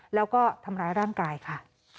แล้วก็ทำร้ายร่างกายค่ะ